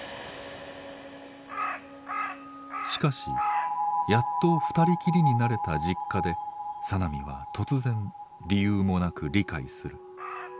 しかしやっと二人きりになれた実家で小波は突然理由もなく理解する。